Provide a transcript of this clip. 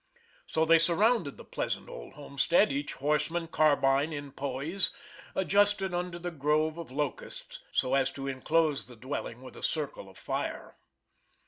So they surrounded the pleasant old homestead, each horseman, carbine in poise, adjusted under the grove of locusts, so as to inclose the dwelling with a circle of fire.